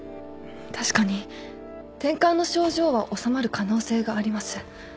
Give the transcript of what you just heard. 確かにてんかんの症状は治まる可能性があります。